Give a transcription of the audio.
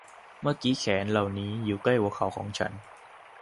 เมื่อกี้แขนเหล่านี้อยู่ใกล้หัวเข่าของฉัน